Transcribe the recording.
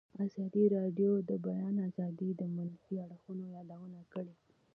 ازادي راډیو د د بیان آزادي د منفي اړخونو یادونه کړې.